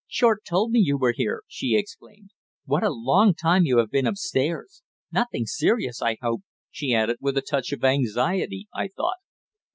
"Short told me you were here," she exclaimed. "What a long time you have been upstairs. Nothing serious, I hope," she added with a touch of anxiety, I thought.